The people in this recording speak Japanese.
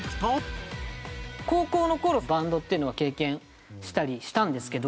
高校の頃バンドっていうのは経験したりしたんですけど。